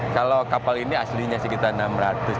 kalau kapal ini aslinya sekitar enam ratus juta dolar